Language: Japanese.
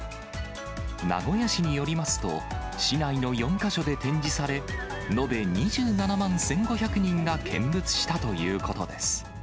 名古屋市によりますと、市内の４か所で展示され、延べ２７万１５００人が見物したということです。